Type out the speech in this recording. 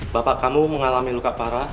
bapak kamu mengalami luka parah